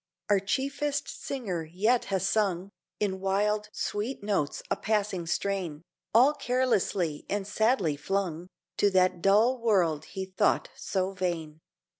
Our chiefest singer yet has sung In wild, sweet notes a passing strain, All carelessly and sadly flung To that dull world he thought so vain.